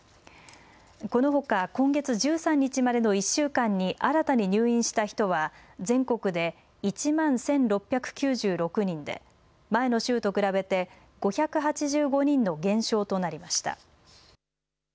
このほか今月１３日までの１週間に新たに入院した人は全国で１万１６９６人で前の週と比べて５８５人の減少となりました。